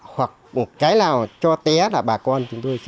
hoặc một cái nào cho té là bà con chúng tôi sẽ té